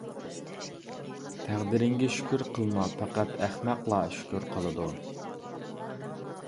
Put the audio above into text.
تەقدىرىڭگە شۈكۈر قىلما، پەقەت ئەخمەقلا شۈكۈر قىلىدۇ.